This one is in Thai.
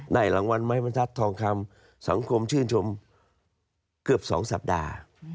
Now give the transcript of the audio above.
ได้หลังวันไม้บรรทัศน์ทองคำสองคมชื่นชมเกือบสองสัปดาห์